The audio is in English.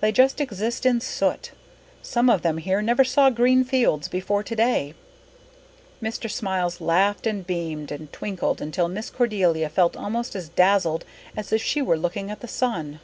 They just exist in soot. Some of them here never saw green fields before today." Mr. Smiles listened and beamed and twinkled until Miss Cordelia felt almost as dazzled as if she were looking at the sun.